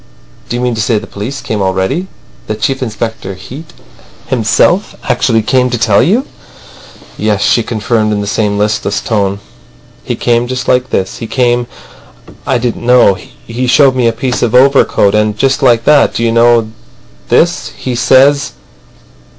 Do you mean to say the police came already? That Chief Inspector Heat himself actually came to tell you." "Yes," she confirmed in the same listless tone. "He came just like this. He came. I didn't know. He showed me a piece of overcoat, and—just like that. Do you know this? he says."